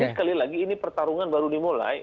tapi sekali lagi ini pertarungan baru dimulai